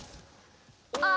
あ！